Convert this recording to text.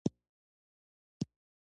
افغانستان د کلتور لپاره مشهور دی.